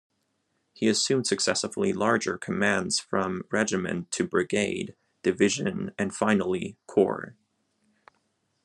He assumed successively larger commands-from regiment to brigade, division, and finally, corps.